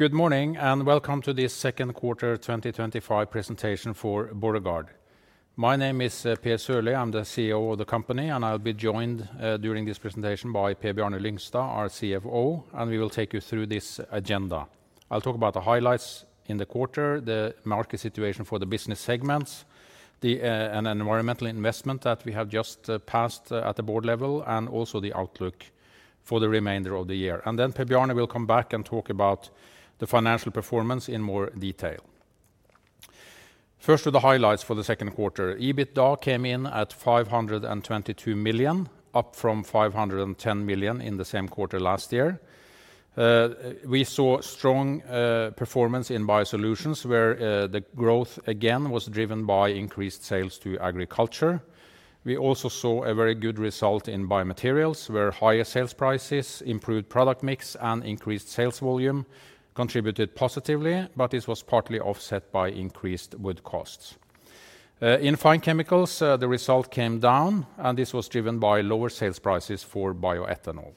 Good morning, and welcome to the second quarter twenty twenty five presentation for Borregard. My name is Piers I'm the CEO of the company, and I'll be joined during this presentation by PeerBjorn Lindsda, our CFO, and we will take you through this agenda. I'll talk about the highlights in the quarter, the market situation for the business segments, the and environmental investment that we have just passed at the Board level and also the outlook for the remainder of the year. And then Pebjorn will come back and talk about the financial performance in more detail. First, with the highlights for the second quarter. EBITDA came in at $522,000,000, up from SEK $510,000,000 in the same quarter last year. We saw strong performance in BioSolutions, where the growth again was driven by increased sales to agriculture. We also saw a very good result in biomaterials, where higher sales prices, improved product mix and increased sales volume contributed positively, but this was partly offset by increased wood costs. In Fine Chemicals, the result came down, and this was driven by lower sales prices for bioethanol.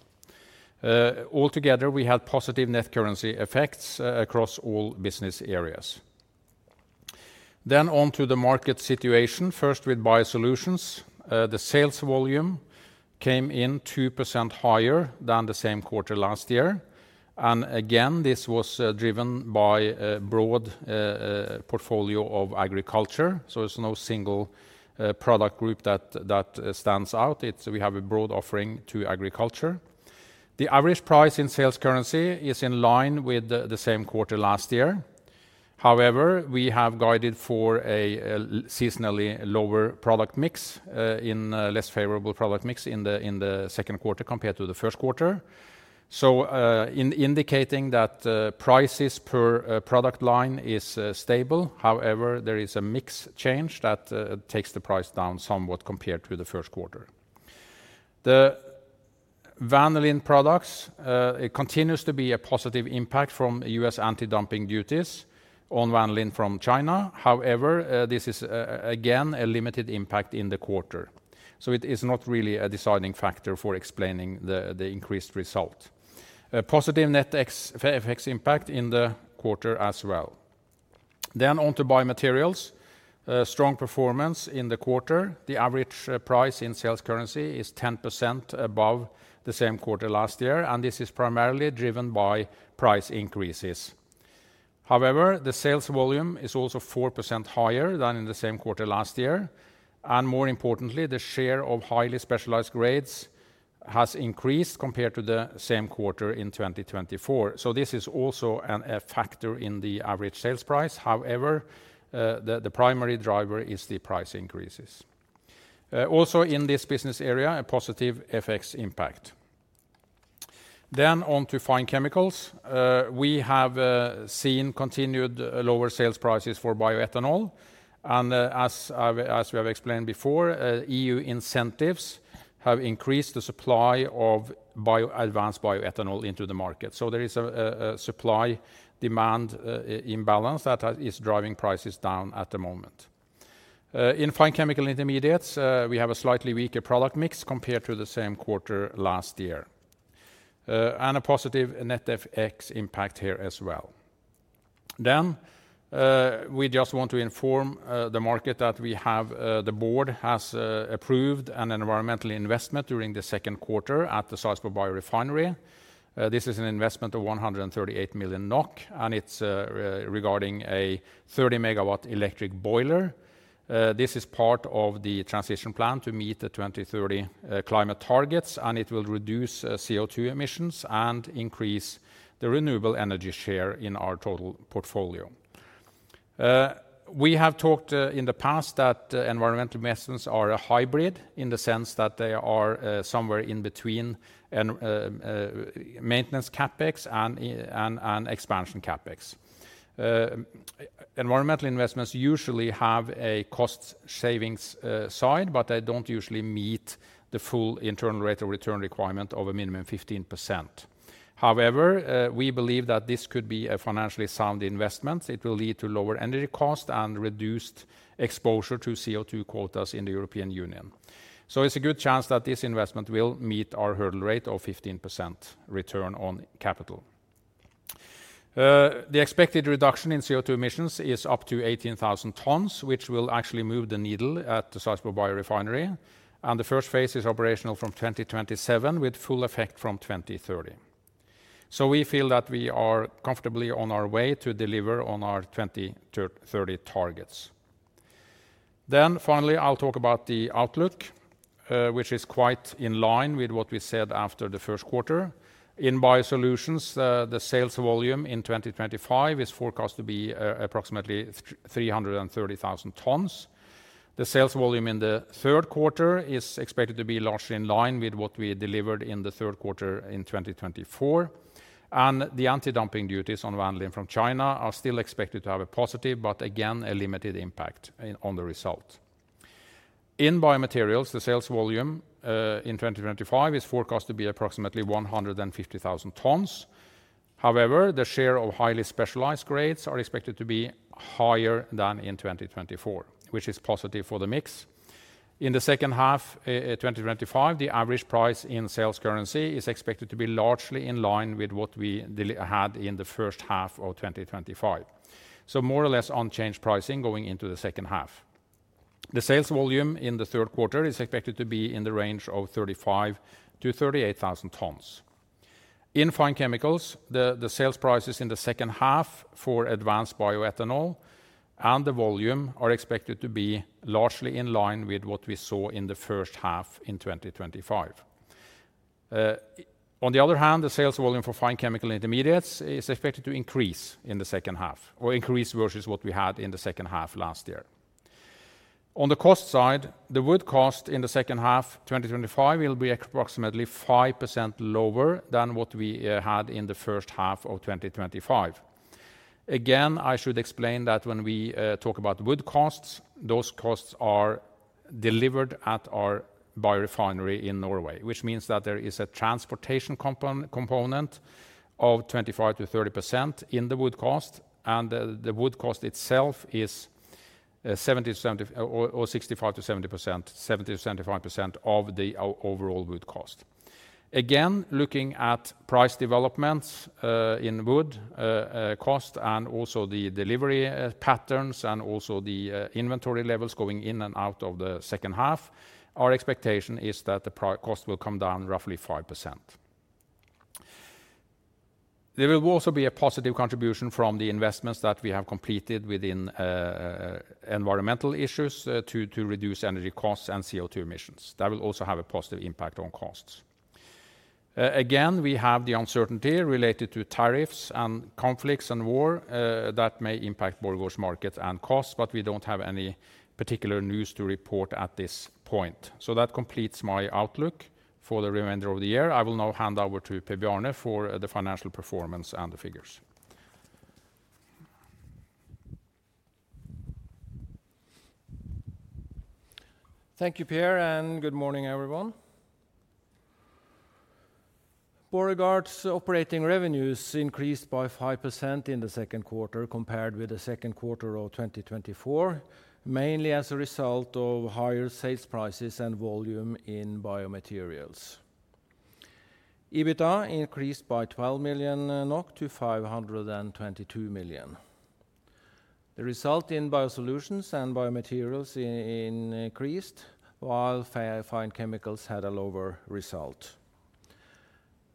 Altogether, we had positive net currency effects across all business areas. Then on to the market situation, first with BioSolutions. The sales volume came in 2% higher than the same quarter last year. And again, this was driven by a broad portfolio of agriculture. So there's no single product group that stands out. It's we have a broad offering to agriculture. The average price in sales currency is in line with the same quarter last year. However, we have guided for a seasonally lower product mix in less favorable product mix in the second quarter compared to the first quarter. So indicating that prices per product line is stable. However, there is a mix change that takes the price down somewhat compared to the first quarter. The Vanillin products, it continues to be a positive impact from U. S. Antidumping duties on Vanlin from China. However, this is again a limited impact in the quarter. So it is not really a deciding factor for explaining the increased result. Positive net FX impact in the quarter as well. Then on to biomaterials. Strong performance in the quarter. The average price in sales currency is 10% above the same quarter last year, and this is primarily driven by price increases. However, the sales volume is also 4% higher than in the same quarter last year. And more importantly, the share of highly specialized grades has increased compared to the same quarter in 2024. So this is also a factor in the average sales price. However, the primary driver is the price increases. Also in this business area, a positive FX impact. Then on to fine chemicals. We have seen continued lower sales prices for bioethanol. And as we have explained before, EU incentives have increased the supply of bio advanced bioethanol into the market. So there is a supply demand imbalance that is driving prices down at the moment. In Fine Chemical Intermediates, we have a slightly weaker product mix compared to the same quarter last year and a positive net FX impact here as well. Then we just want to inform the market that we have the Board has approved an environmental investment during the second quarter at the Saisbah biorefinery. This is an investment of 138,000,000 NOK, and it's regarding a 30 megawatt electric boiler. This is part of the transition plan to meet the 2030 climate targets, and it will reduce CO2 emissions and increase the renewable energy share in our total portfolio. We have talked in the past that environmental medicines are a hybrid in the sense that they are somewhere in between maintenance CapEx and expansion CapEx. Environmental investments usually have a cost savings side, but they don't usually meet the full internal rate of return requirement of a minimum 15%. However, we believe that this could be a financially sound investment. It will lead to lower energy cost and reduced exposure to CO2 quotas in the European Union. So it's a good chance that this investment will meet our hurdle rate of 15% return on capital. The expected reduction in CO2 emissions is up to 18,000 tonnes, which will actually move the needle at the Saasborbio refinery. And the first phase is operational from 2027 with full effect from 02/1930. So we feel that we are comfortably on our way to deliver on our 2030 targets. Then finally, I'll talk about the outlook, which is quite in line with what we said after the first quarter. In BioSolutions, the sales volume in 2025 is forecast to be approximately 330,000 tonnes. The sales volume in the third quarter is expected to be largely in line with what we delivered in the third quarter in 2024. And the antidumping duties on Vanlin from China are still expected to have a positive, but again, a limited impact on the result. In biomaterials, the sales volume in 2025 is forecast to be approximately 150,000 tonnes. However, the share of highly specialized grades are expected to be higher than in 2024, which is positive for the mix. In the second half twenty twenty five, the average price in sales currency is expected to be largely in line with what we had in the first half of twenty twenty five, so more or less unchanged pricing going into the second half. The sales volume in the third quarter is expected to be in the range of 35 to 38,000 tonnes. In Fine Chemicals, the sales prices in the second half for advanced bioethanol and the volume are expected to be largely in line with what we saw in the first half in twenty twenty five. On the other hand, the sales volume for Fine Chemical Intermediates is expected to increase in the second half or increase versus what we had in the second half last year. On the cost side, the wood cost in the second half twenty twenty five will be approximately 5% lower than what we had in the first half of twenty twenty five. Again, I should explain that when we talk about wood costs, those costs are delivered at our biorefinery in Norway, which means that there is a transportation component of twenty five percent to 30% in the wood cost, and the wood cost itself is 7065% to 7070% to 75% of the overall wood cost. Again, looking at price developments in wood cost and also the delivery patterns and also the inventory levels going in and out of the second half, our expectation is that the product cost will come down roughly 5%. There will also be a positive contribution from the investments that we have completed within environmental issues to reduce energy costs and CO2 emissions. That will also have a positive impact on costs. Again, we have the uncertainty related to tariffs and conflicts and war that may impact Borgosh markets and costs, but we don't have any particular news to report at this point. So that completes my outlook for the remainder of the year. I will now hand over to Pebe Arne for the financial performance and the figures. Thank you, Pierre, and good morning, everyone. Borregards operating revenues increased by 5% in the second quarter compared with the second quarter of twenty twenty four, mainly as a result of higher sales prices and volume in biomaterials. EBITDA increased by 12,000,000 NOK to NOK $522,000,000. The result in BioSolutions and Biomaterials increased, while Fine Chemicals had a lower result.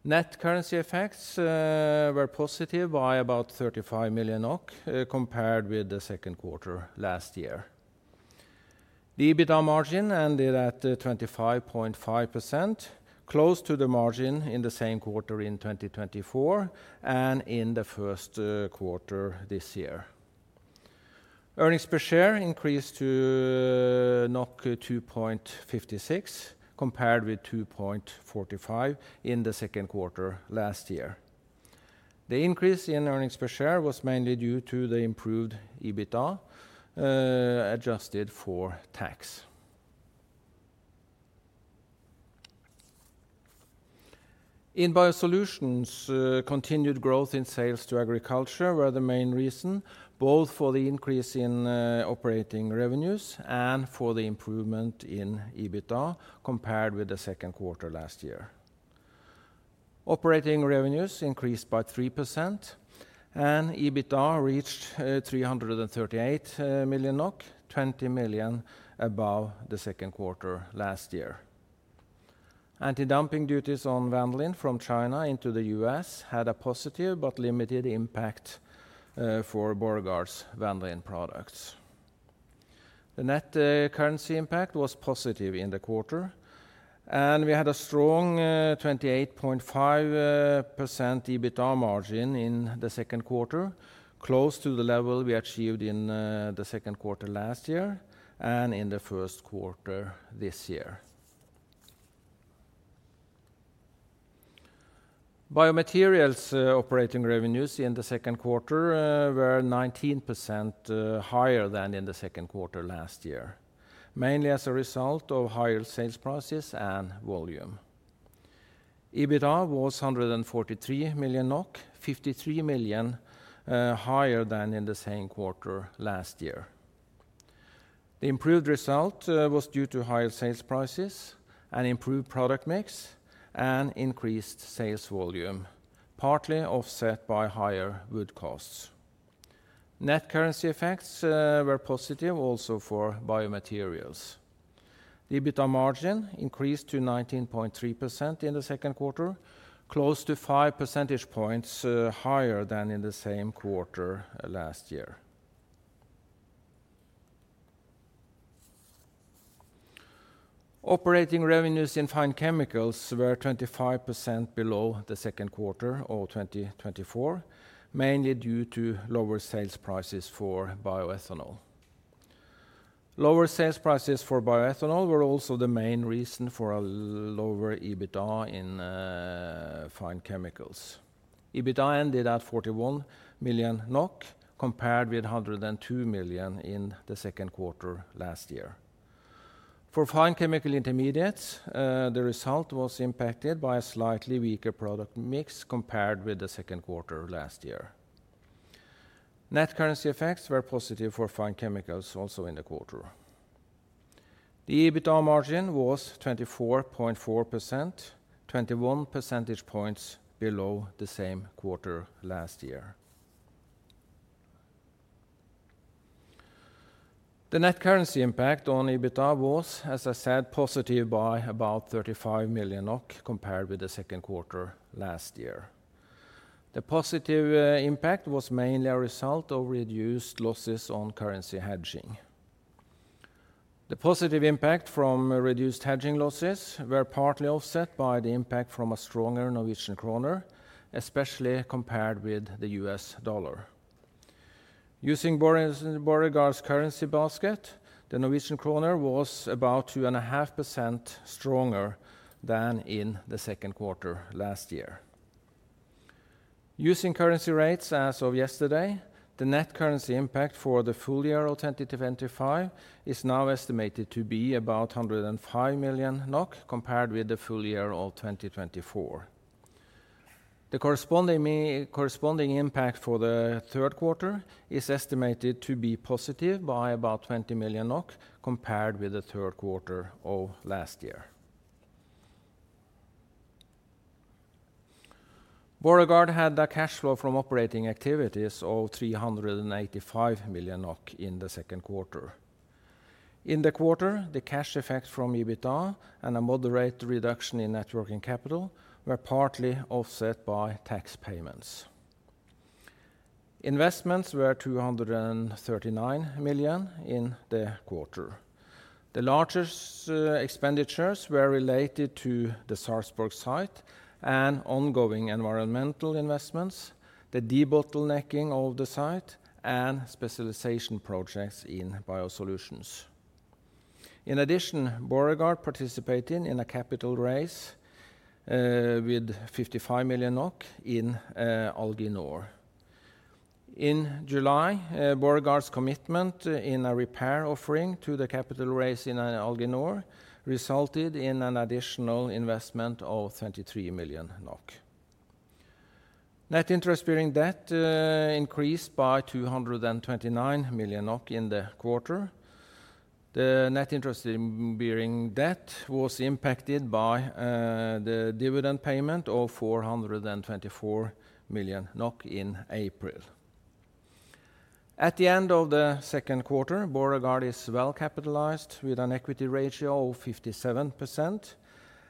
Net currency effects were positive by about 35,000,000 NOK compared with the second quarter last year. The EBITDA margin ended at 25.5%, close to the margin in the same quarter in 2024 and in the first quarter this year. Earnings per share increased to 2.56 compared with 2.45 in the second quarter last year. The increase in earnings per share was mainly due to the improved EBITDA adjusted for tax. In BioSolutions, continued growth in sales to agriculture were the main reason, both for the increase in operating revenues and for the improvement in EBITDA compared with the second quarter last year. Operating revenues increased by 3% and EBITDA reached $338,000,000, 20,000,000 above the second quarter last year. Antidumping duties on vanillin from China into The U. S. Had a positive but limited impact for Borgard's van den products. The net currency impact was positive in the quarter. And we had a strong 28.5% EBITDA margin in the second quarter, close to the level we achieved in the second quarter last year and in the first quarter this year. Biomaterials operating revenues in the second quarter were 19% higher than in the second quarter last year, mainly as a result of higher sales prices and volume. EBITDA was 143 million NOK, 53 million higher than in the same quarter last year. The improved result was due to higher sales prices and improved product mix and increased sales volume, partly offset by higher wood costs. Net currency effects were positive also for biomaterials. EBITDA margin increased to 19.3% in the second quarter, close to five percentage points higher than in the same quarter last year. Operating revenues in fine chemicals were 25% below the second quarter of twenty twenty four, mainly due to lower sales prices for bioethanol. Lower sales prices for bioethanol were also the main reason for a lower EBITDA in fine chemicals. EBITDA ended at 41,000,000 NOK compared with 102,000,000 in the second quarter last year. For Fine Chemical Intermediates, the result was impacted by a slightly weaker product mix compared with the second quarter last year. Net currency effects were positive for Fine Chemicals also in the quarter. The EBITDA margin was 24.4%, 21 percentage points below the same quarter last year. The net currency impact on EBITDA was, as I said, positive by about 35,000,000 NOK compared with the second quarter last year. The positive impact was mainly a result of reduced losses on currency hedging. The positive impact from reduced hedging losses were partly offset by the impact from a stronger Norwegian kroner, especially compared with the U. S. Dollar. Using Borregoire's currency basket, the Norwegian kroner was about 2.5% stronger than in the second quarter last year. Using currency rates as of yesterday, the net currency impact for the full year of 2025 is now estimated to be about 105 million NOK compared with the full year of 2024. The corresponding impact for the third quarter is estimated to be positive by about 20,000,000 NOK compared with the third quarter of last year. BorreGard had a cash flow from operating activities of $385,000,000 in the second quarter. In the quarter, the cash effects from EBITDA and a moderate reduction in net working capital were partly offset by tax payments. Investments were $239,000,000 in the quarter. The largest expenditures were related to the Sarzburg site and ongoing environmental investments, the debottlenecking of the site and specialization projects in BioSolutions. In addition, Borregoard participated in a capital raise with 55,000,000 NOK commitment in a repair offering to the capital raise in Alginor resulted in an additional investment of 23,000,000. Net interest bearing debt increased by NOK $229,000,000 in the quarter. The net interest bearing debt was impacted by the dividend payment of NOK $424,000,000 in April. At the end of the second quarter, Boragard is well capitalized with an equity ratio of 57%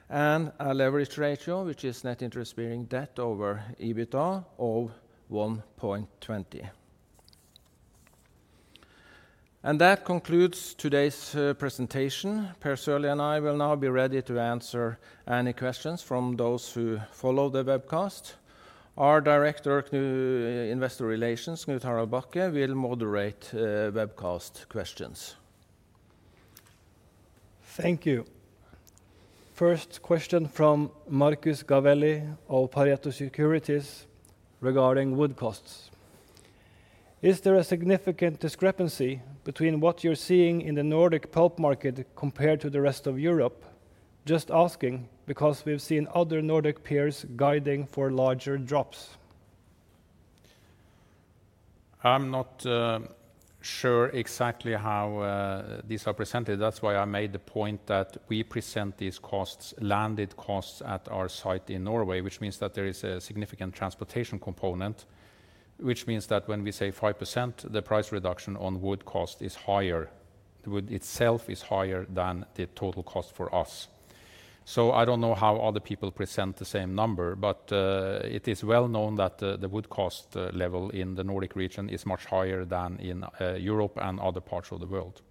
and a leverage ratio, which is net interest bearing debt over EBITDA of 1.2. And that concludes today's presentation. And I will now be ready to answer any questions from those who follow the webcast. Our Director of Investor Relations, Gnut Harald Bachke will moderate webcast questions. Thank you. First question from Markus Govelli of Pareto Securities regarding wood costs. Is there a significant discrepancy between what you're seeing in the Nordic pulp market compared to the rest of Europe? Just asking because we've seen other Nordic peers guiding for larger drops. I'm not sure exactly how these are presented. That's why I made the point that we present these costs landed costs at our site in Norway, which means that there is a significant transportation component, which means that when we say 5%, the price reduction on wood cost is higher. The wood itself is higher than the total cost for us. So I don't know how other people present the same number, but it is well known that the wood cost level in the Nordic region is much higher than in Europe and other parts of the world.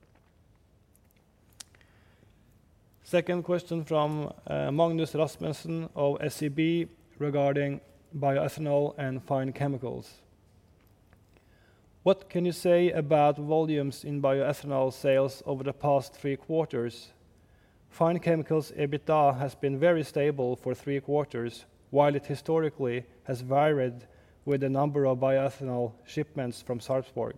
Second question from Magnus Rasmussen of SEB regarding bioethanol and fine chemicals. What can you say about volumes in bioethanol sales over the past three quarters? Fine chemicals EBITDA has been very stable for three quarters, while it historically has varied with the number of bioethanol shipments from Sarpsborg.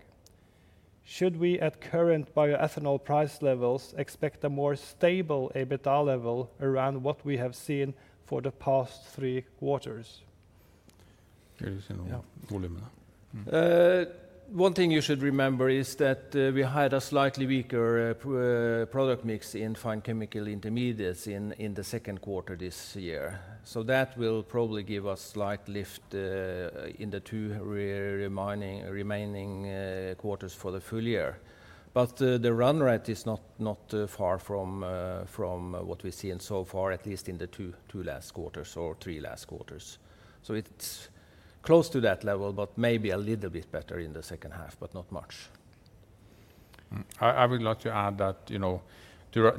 Should we at current bioethanol price levels expect a more stable EBITDA level around what we have seen for the past three quarters? One thing you should remember is that we had a slightly weaker product mix in fine chemical intermediates in the second quarter this year. So that will probably give us slight lift in the two remaining quarters for the full year. But the run rate is not far from what we've seen so far, at least in the two last quarters or three last quarters. So it's close to that level, but maybe a little bit better in the second half, but not much. I would like to add that to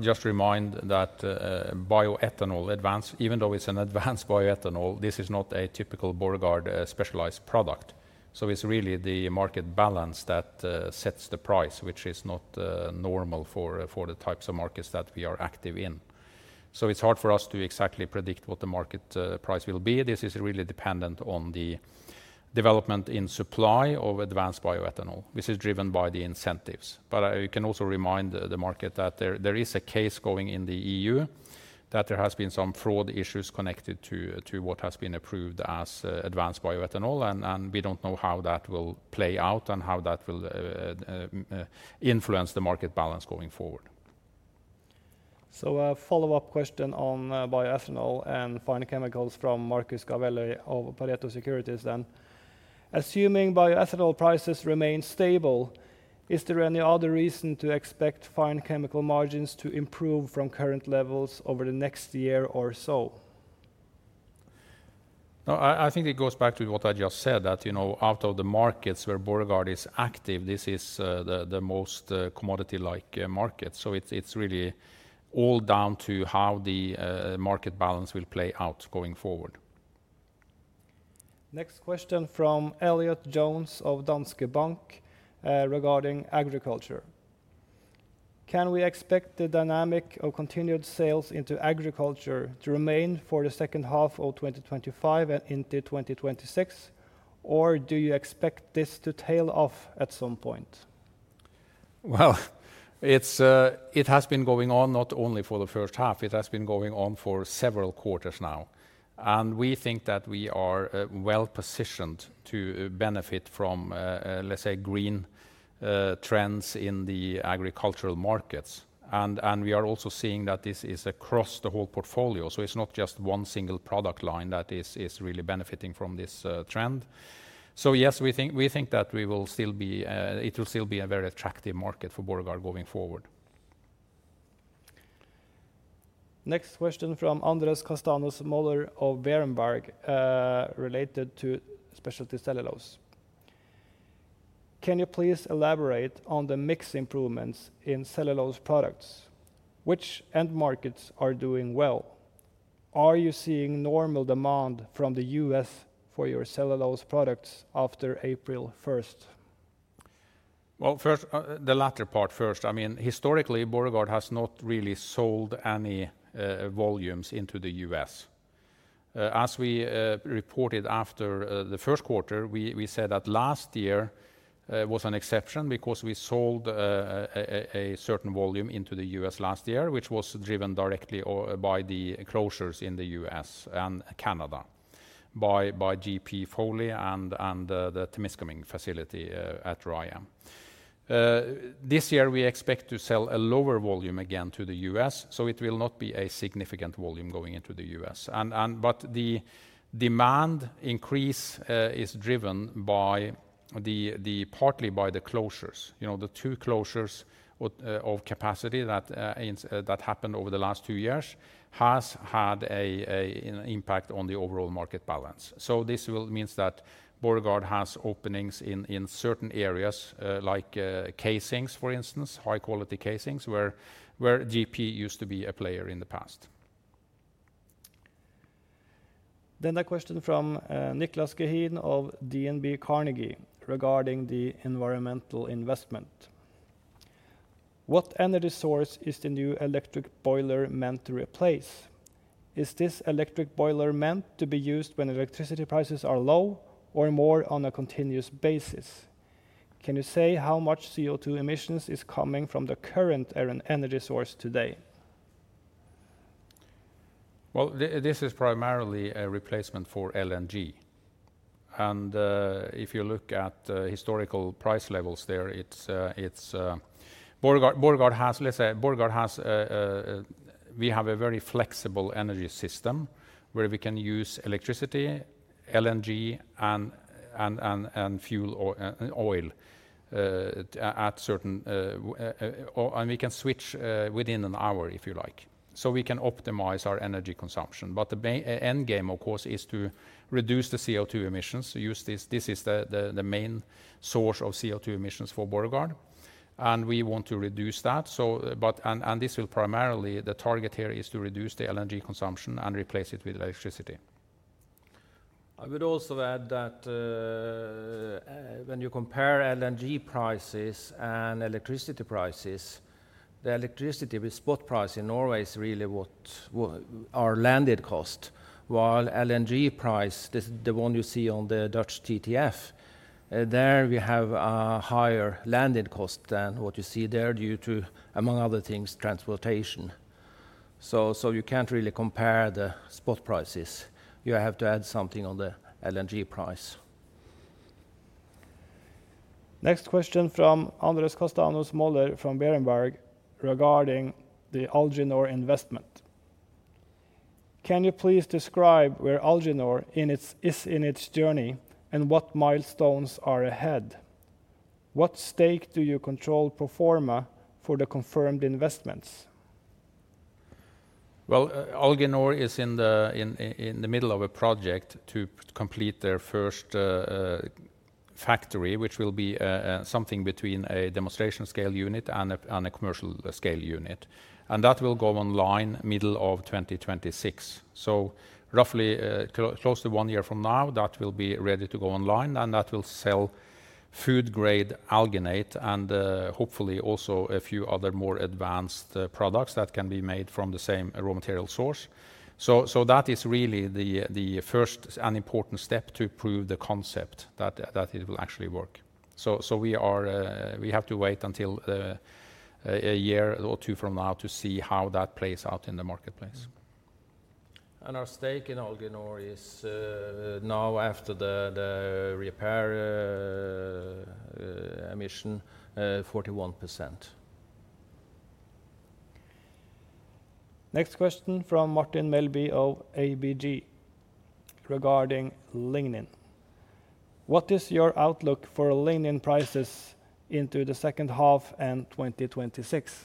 just remind that bioethanol advanced even though it's an advanced bioethanol, this is not a typical Borgard specialized product. So it's really the market balance that sets the price, which is not normal for the types of markets that we are active in. So it's hard for us to exactly predict what the market price will be. This is really dependent on the development in supply of advanced bioethanol, which is driven by the incentives. But I can also remind the market that there is a case going in the EU that there has been some fraud issues connected to what has been approved as advanced bioethanol, and we don't know how that will play out and how that will influence the market balance going forward. So a follow-up question on bioethanol and fine chemicals from Markus Gavalli of Pareto Securities then. Assuming bioethanol prices remain stable, is there any other reason to expect Fine Chemical margins to improve from current levels over the next year or so? I think it goes back to what I just said that out of the markets where Borgard is active, this is the most commodity like market. So it's really all down to how the market balance will play out going forward. Next question from Elliot Jones of Danske Bank regarding agriculture. Can we expect the dynamic of continued sales into agriculture to remain for the second half of twenty twenty five and into 2026? Or do you expect this to tail off at some point? Well, it's it has been going on not only for the first half, it has been going on for several quarters now. And we think that we are well positioned to benefit from, let's say, green trends in the agricultural markets. And we are also seeing that this is across the whole portfolio. So it's not just one single product line that is really benefiting from this trend. So yes, we think that we will still be it will still be a very attractive market for Borgard going forward. Next question from Andres Costanos Moeller of Berenberg related to Specialty Cellulose. Can you please elaborate on the mix improvements in cellulose products? Which end markets are doing well? Are you seeing normal demand from The U. S. For your cellulose products after April 1? Well, first the latter part first. I mean, historically, Borrevagard has not really sold any volumes into The U. S. As we reported after the first quarter, we said that last year was an exception because we sold a certain volume into The U. S. Last year, which was driven directly by the closures in The U. S. And Canada by GP Foley and Temiscaming facility at Raya. This year, we expect to sell a lower volume again to The U. S, so it will not be a significant volume going into The U. S. And but the demand increase is driven by the partly by the closures. The two closures of capacity that happened over the last two years has had an impact on the overall market balance. So this will means that Borgard has openings in certain areas like casings, for instance, high quality casings, where GP used to be a player in the past. Then a question from Niklas Kehin of DNB Carnegie regarding the environmental investment. What energy source is the new electric boiler meant to replace? Is this electric boiler meant to be used when electricity prices are low or more on a continuous basis? Can you say how much CO2 emissions is coming from the current energy source today? Well, this is primarily a replacement for LNG. And if you look at historical price levels there, Borgard has let's say Borgard has we have a very flexible energy system where we can use electricity, LNG and fuel oil at certain and we can switch within an hour, if you like. So we can optimize our energy consumption. But the endgame, of course, is to reduce the CO2 emissions. So use this this is the main source of CO2 emissions for Borgard, and we want to reduce that. So but and this will primarily the target here is to reduce the LNG consumption and replace it with electricity. I would also add that when you compare LNG prices and electricity prices, the electricity with spot price in Norway is really what our landed cost, while LNG price, the one you see on the Dutch TTF, there we have higher landed cost than what you see there due to among other things, transportation. So you can't really compare the spot prices. You have to add something on the LNG price. Next question from Andres Costanos Moller from Berenberg regarding the Alginor investment. Can you please describe where Alginor is in its journey and what milestones are ahead? What stake do you control pro form a for the confirmed investments? Well, Olginor is in the middle of a project to complete their first factory, which will be something between a demonstration scale unit and a commercial scale unit. And that will go online middle of twenty twenty six. So roughly close to one year from now, that will be ready to go online, and that will sell food grade alginate and hopefully also a few other more advanced products that can be made from the same raw material source. So that is really the first and important step to prove the concept that it will actually work. So we are we have to wait until a year or two from now to see how that plays out in the marketplace. And our stake in Alginor is now after the repair emission 41%. Next question from Martin Melby of ABG regarding lignin. What is your outlook for linen prices into the second half and 2026?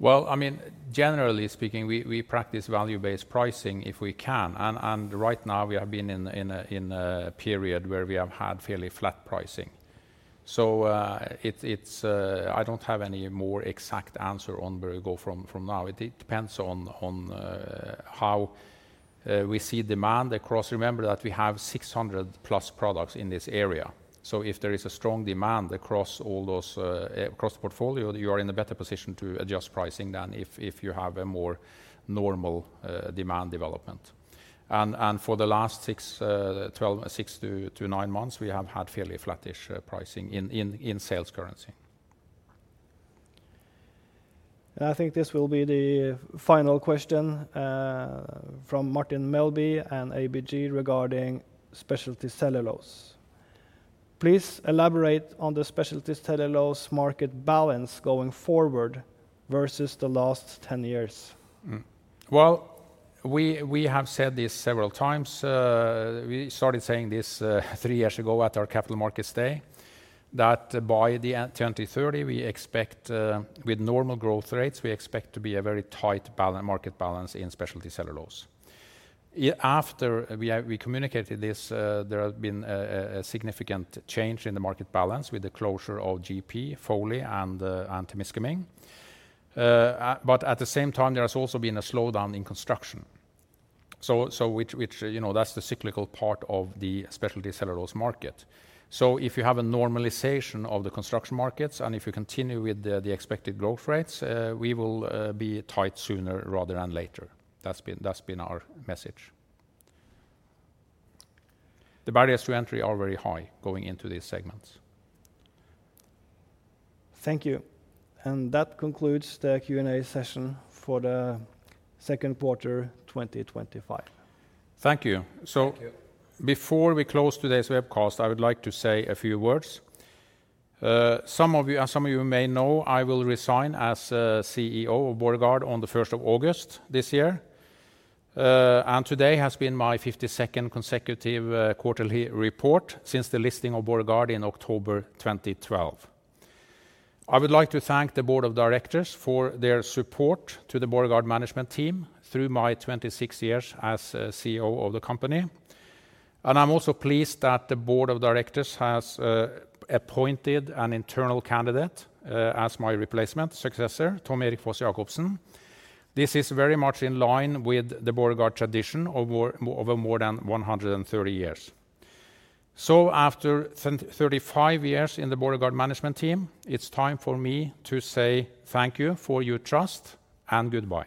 Well, I mean, generally speaking, we practice value based pricing if we can. And right now we have been in a period where we have had fairly flat pricing. So it's I don't have any more exact answer on where we go from now. It depends on how we see demand across. Remember that we have 600 plus products in this area. So if there is a strong demand across all those across the portfolio, you are in a better position to adjust pricing than if you have a more normal demand development. And for the last six to nine months, we have had fairly flattish pricing in sales currency. And I think this will be the final question from Martin Melby and ABG regarding Specialty Cellulose. Please elaborate on the Specialty Cellulose market balance going forward versus the last ten years. Well, we have said this several times. We started saying this three years ago at our Capital Markets Day that by the end 02/1930, we expect with normal growth rates, we expect to be a very tight market balance in specialty cellulose. After we communicated this, there have been a significant change in the market balance with the closure of GP, Foley and Temiscaming. But at the same time, there has also been a slowdown in construction. So which that's the cyclical part of the specialty cellulose market. So if you have a normalization of the construction market and if you continue with the expected growth rates, we will be tight sooner rather than later. That's our message. The barriers to entry are very high going into these segments. Thank you. And that concludes the Q and A session for the second quarter twenty twenty five. Thank you. So before we close today's webcast, I would like to say a few words. Some of you may know, I will resign as CEO of Borgard on the August 1 this year. And today has been my fifty second consecutive quarterly report since the listing of Borgard in October 2012. I would like to thank the Board of Directors for their support to the Borgard management team through my twenty six years as CEO of the company. And I'm also pleased that the Board of Directors has appointed an internal candidate as my replacement successor, Tom Erik Fossiagobsen. This is very much in line with the Borgard tradition over more than one hundred and thirty years. So after thirty five years in the Borregard management team, it's time for me to say thank you for your trust and goodbye.